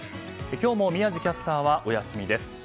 今日も宮司キャスターはお休みです。